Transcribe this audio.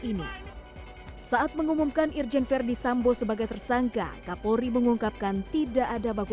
ini saat mengumumkan irjen verdi sambo sebagai tersangka kapolri mengungkapkan tidak ada baku